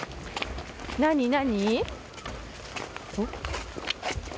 何何？